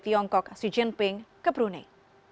tiongkok xi jinping ke brunei